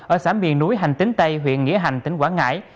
ở xã miền núi hành tính tây huyện nghĩa hành tỉnh quảng ngãi